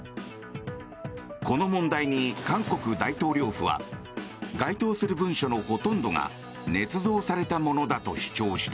この問題に韓国大統領府は該当する文書のほとんどがねつ造されたものだと主張した。